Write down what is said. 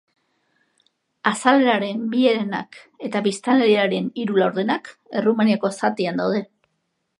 Azaleraren bi herenak eta biztanleriaren hiru laurdenak, Errumaniako zatian daude.